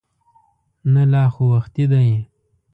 نه لا خو وختي دی.